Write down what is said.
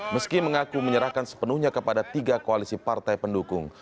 meski mengaku menyerahkan sepenuhnya kepada tiga koalisi partai pendukung